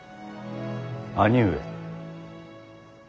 兄上。